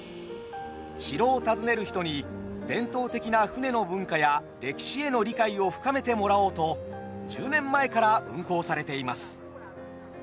城を訪ねる人に伝統的な船の文化や歴史への理解を深めてもらおうと１０年前から運行されています。